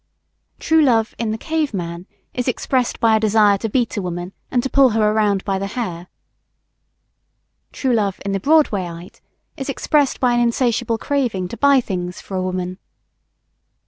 True Love, in the cave man, is expressed by a desire to beat a woman, and to pull her around by the hair. True Love, in the Broadwayite, is expressed by an insatiable craving to buy things for a woman.